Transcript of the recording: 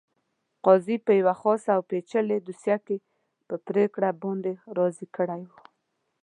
قاضي په یوه خاصه او پېچلې دوسیه کې په پرېکړه باندې راضي کړی وو.